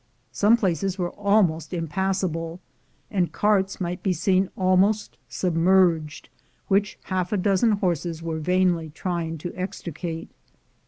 Some places were almost impassable, and carts might be seen almost submerged, which half a dozen horses were vainly trying to extricate.